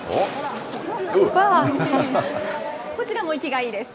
こちらも生きがいいです。